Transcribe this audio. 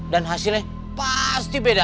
dan hasilnya pasti beda